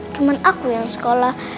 cuman aku yang sekolah